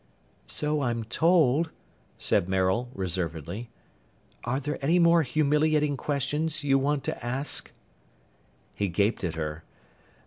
"So I'm told," said Maril reservedly. "Are there any more humiliating questions you want to ask?" He gaped at her.